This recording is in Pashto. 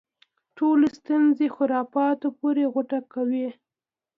ټولې ستونزې خرافاتو پورې غوټه کوي.